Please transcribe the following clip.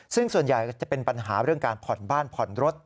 ซึ่งส่วนใหญ่ก็จะเป็นปัญหาเรื่องการผ่อนบ้านผ่อนรถ